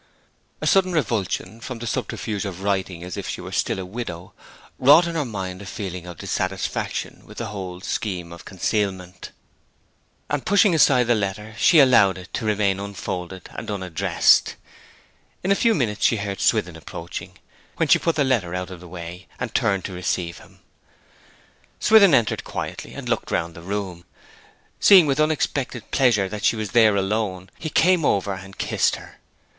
A sudden revulsion from the subterfuge of writing as if she were still a widow, wrought in her mind a feeling of dissatisfaction with the whole scheme of concealment; and pushing aside the letter she allowed it to remain unfolded and unaddressed. In a few minutes she heard Swithin approaching, when she put the letter out of the way and turned to receive him. Swithin entered quietly, and looked round the room. Seeing with unexpected pleasure that she was there alone, he came over and kissed her.